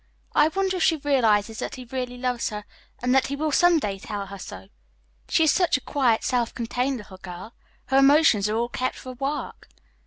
I wonder if she realizes that he really loves her, and that he will some day tell her so? She is such a quiet, self contained little girl. Her emotions are all kept for her work."